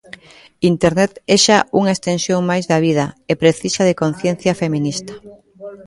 Internet é xa unha extensión máis da vida e precisa de conciencia feminista.